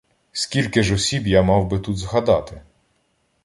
Скільки ж осіб я мав би тут згадати?